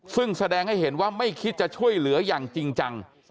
ซึ่งแสดงให้เห็นว่าไม่คิดจะช่วยเหลืออย่างจริงจัง